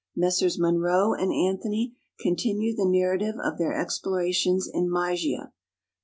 Messrs Munro and Anthony continue the narrative of their explorations in Mysia.